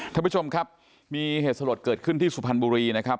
ท่านผู้ชมครับมีเหตุสลดเกิดขึ้นที่สุพรรณบุรีนะครับ